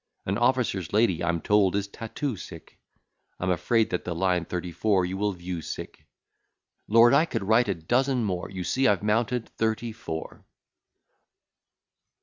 An officer's lady, I'm told, is tattoo sick; I'm afraid that the line thirty four you will view sick. Lord! I could write a dozen more; You see I've mounted thirty four.